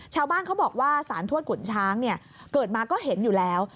ชาวบ้านเขาบอกว่าสารทวดขุนช้างเกิดมาก็เห็นอยู่แล้ว